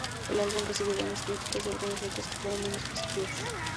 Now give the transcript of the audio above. El álbum recibió buenas críticas, y algunas otras que fueron menos positivas.